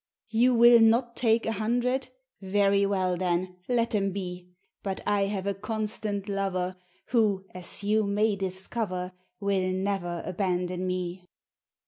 "You will not take a hundred, Very well then, let them be! But I have a constant lover Who, as you may discover, Will never abandon me."